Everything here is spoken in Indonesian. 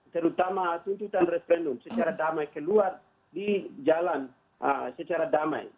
terutama tuntutan referendum secara damai keluar di jalan secara damai